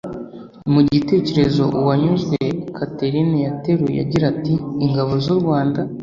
Mu gitekerezo Uwanyuzwe Catherine yateruye agira ati “’Ingabo z’u Rwanda’